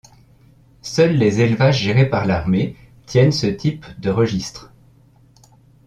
Seuls les élevages gérés par l'armée tiennent ce type de registre.